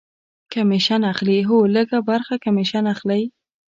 کمیشن اخلي؟ هو، لږ ه برخه کمیشن اخلی